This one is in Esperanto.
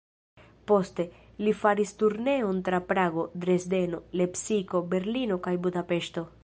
Poste, li faris turneon tra Prago, Dresdeno, Lepsiko, Berlino kaj Budapeŝto.